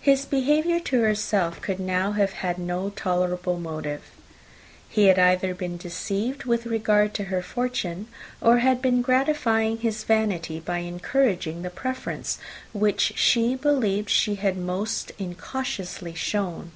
His behaviour to herself could now have had no tolerable motive: he had either been deceived with regard to her fortune, or had been gratifying his vanity by encouraging the preference which she believed she had most incautiously shown.